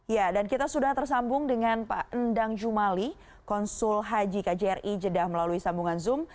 ya dan kita sudah tersambung dengan pak endang jumali konsul haji kjri jeddah melalui sambungan zoom